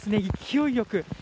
勢いよく。